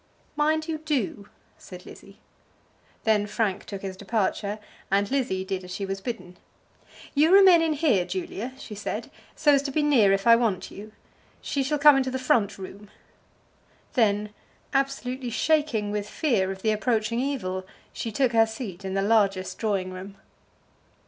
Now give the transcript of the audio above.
"Mind you do," said Lizzie. Then Frank took his departure, and Lizzie did as she was bidden. "You remain in here, Julia," she said, "so as to be near if I want you. She shall come into the front room." Then, absolutely shaking with fear of the approaching evil, she took her seat in the largest drawing room.